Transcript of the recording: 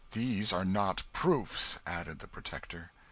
"These are not proofs," added the Protector.